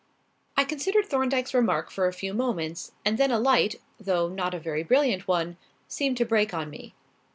I considered Thorndyke's remark for a few moments; and then a light though not a very brilliant one seemed to break on me.